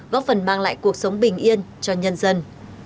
góp phần mang lại cuộc sống bình yên cho nhân dân